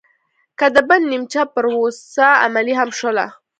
که د بن نیمچه پروسه عملي هم شوله